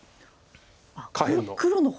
下辺の。